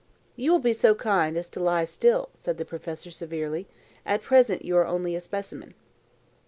"You will be so kind as to lie still," said the professor severely. "At present you are only a specimen."